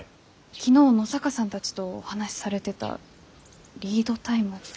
昨日野坂さんたちとお話しされてたリードタイムって。